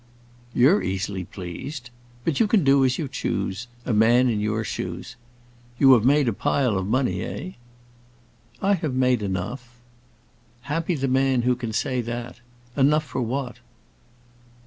"You're easily pleased. But you can do as you choose—a man in your shoes. You have made a pile of money, eh?" "I have made enough." "Happy the man who can say that? Enough for what?"